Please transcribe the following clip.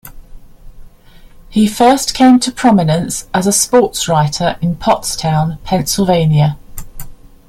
He first came to prominence as a sportswriter in Pottstown, Pennsylvania.